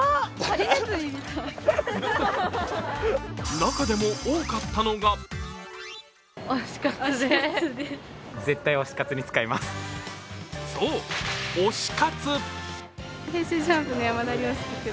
中でも多かったのがそう、推し活。